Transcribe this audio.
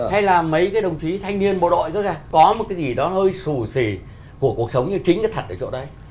hay là mấy cái đồng chí thanh niên bộ đội có gì đó hơi xù xì của cuộc sống như chính thật ở chỗ đấy